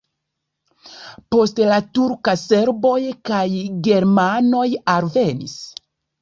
Post la turka serboj kaj germanoj alvenis.